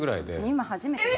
今初めて。